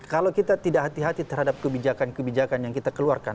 kalau kita tidak hati hati terhadap kebijakan kebijakan yang kita keluarkan